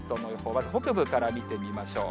まず北部から見てみましょう。